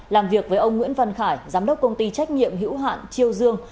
làm việc với ông nguyễn văn khải giám đốc công ty trách nhiệm hữu hạn triều dương